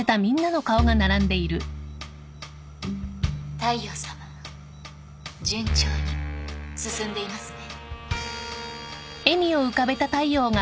大陽さま順調に進んでいますね。